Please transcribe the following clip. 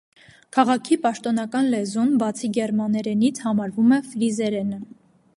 Քաղաքի պաշտոնական լեզուն, բացի գերմաներենից, համարվում է ֆրիզերենը։